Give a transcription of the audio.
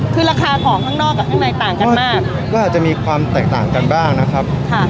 คือราคาของข้างนอกกับข้างในต่างกันมากก็อาจจะมีความแตกต่างกันบ้างนะครับค่ะ